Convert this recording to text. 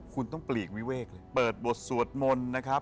คุณต้องปลีกวิเวกเลยเปิดบทสวดมนต์นะครับ